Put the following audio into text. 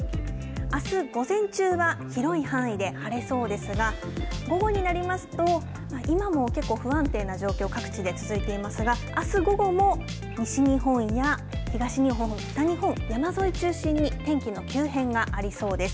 あす午前中は広い範囲で晴れそうですが午後になりますと今も結構、不安定な状況各地で続いていますがあす午後も西日本や東日本北日本、山沿い中心に天気の急変がありそうです。